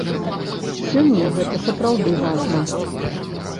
Сёння гэта сапраўды важна.